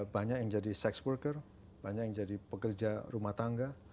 banyak yang jadi seks worker banyak yang jadi pekerja rumah tangga